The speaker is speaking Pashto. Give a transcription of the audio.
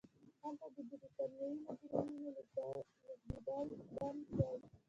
هلته د برېټانوي مجرمینو لېږدېدل بند شول.